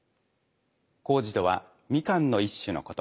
柑子とはみかんの一種のこと。